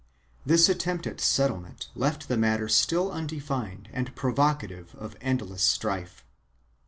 1 This attempt at settlement left the matter still undefined and provocative of endless strife.